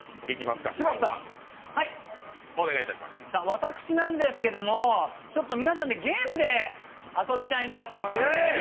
私なんですけども、ちょっと皆さんでゲームで遊びたいなと思いまして。